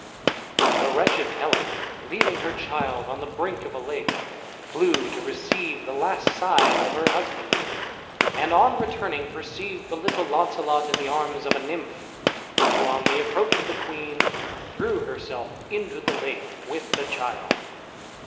The wretched Helen, leaving her child on the brink of a lake, flew to receive the last sighs of her husband, and on returning perceived the little Launcelot in the arms of a nymph, who, on the approach of the queen, threw herself into the lake with the child.